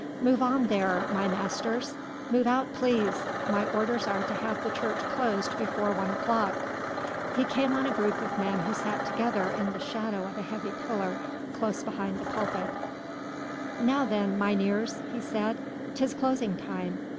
Move on there, my masters, move out please! My orders are to have the church closed before one o'clock." He came on a group of men who sat together in the shadow of a heavy pillar close behind the pulpit. "Now then, mynheers," he said, "'tis closing time."